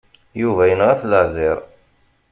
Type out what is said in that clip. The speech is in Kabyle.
Yuba yenɣa-t leɛziṛ.